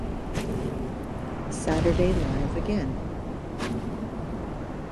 Saturday Live Again!